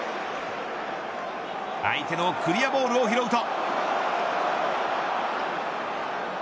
相手のクリアボールを拾うと。